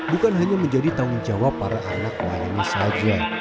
bukan hanya menjadi tanggung jawab para anak layani saja